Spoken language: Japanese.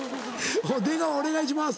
出川お願いします。